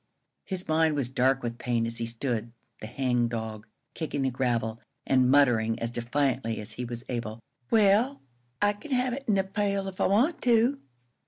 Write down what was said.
His mind was dark with pain as he stood, the hangdog, kicking the gravel, and muttering as defiantly as he was able, "Well, I can have it in a pail if I want to."